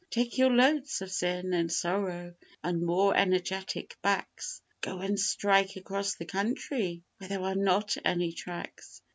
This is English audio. Take your loads of sin and sorrow on more energetic backs! Go and strike across the country where there are not any tracks!